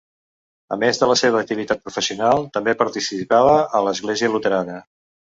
A més de la seva activitat professional, també participava a l'església luterana.